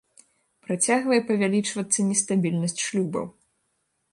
Працягвае павялічвацца нестабільнасць шлюбаў.